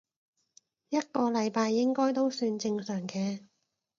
一個禮拜應該都算正常嘅